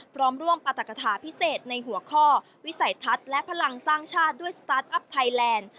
พร้อมร่วมปรัฐกฐาพิเศษในหัวข้อวิสัยทัศน์และพลังสร้างชาติด้วยสตาร์ทอัพไทยแลนด์